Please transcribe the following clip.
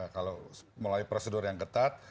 kalau melalui prosedur yang ketat